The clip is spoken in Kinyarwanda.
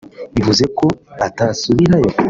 bivuze ko atasubirayo